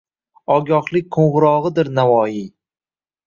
Ogohlik qo‘ng‘irog‘idir Navoiy!